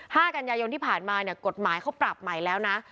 ๕การยยนตร์ที่ผ่านมากฎหมายเค้าปรับใหม่แล้วนะ